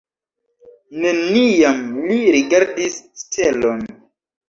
Neniam li rigardis stelon.